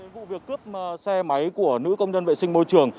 vụ việc cướp xe máy của nữ công nhân vệ sinh môi trường